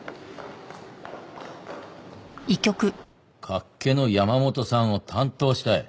脚気の山本さんを担当したい？